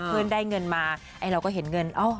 เพื่อนได้เงินมาเราก็เห็นเงิน